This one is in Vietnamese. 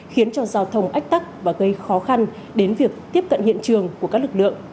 khiến cho giao thông ách tắc và gây khó khăn đến việc tiếp cận hiện trường của các lực lượng